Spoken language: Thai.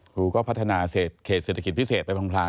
ครูก็พัฒนาเขตเศรษฐกิจพิเศษไปพลาง